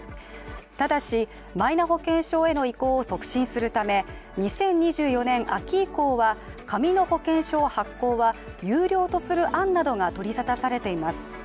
ただし、マイナ保険証への移行を促進するため２０２４年秋以降は紙の保険証発行は有料とする案などが取りざたされています。